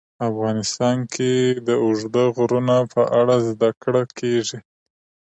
افغانستان کې د اوږده غرونه په اړه زده کړه کېږي.